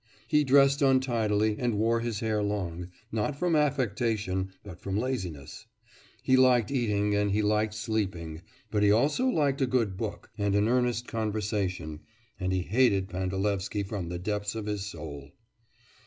He dressed untidily and wore his hair long not from affectation, but from laziness; he liked eating and he liked sleeping, but he also liked a good book, and an earnest conversation, and he hated Pandalevsky from the depths of his soul.